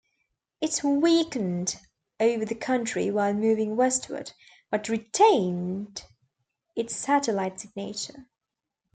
It weakened over the country while moving westward, but retained its satellite signature.